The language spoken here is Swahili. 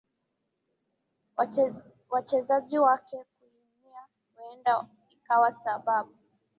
wachezaji wake kuumia huenda ikawa sababu